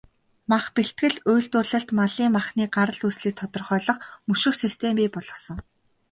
Мах бэлтгэл, үйлдвэрлэлд малын махны гарал үүслийг тодорхойлох, мөшгөх систем бий болгосон.